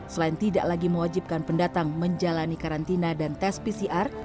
selain tidak lagi mewajibkan pendatang menjalani karantina dan tes pcr